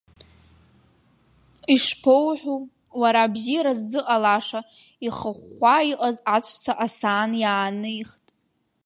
Ишԥоуҳәо, уара абзиара ззыҟалаша, ихыхәхәа иҟаз аҵәца асаан иаанихт.